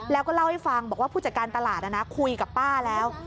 แล้วก็เล่าให้ฟังบอกว่าผู้จัดการตลาดคุยกับป้าแล้ว